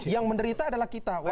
yang menderita adalah kita